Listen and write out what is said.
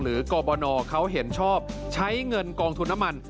กรบนเขาเห็นชอบใช้เงินกองทุนน้ำมัน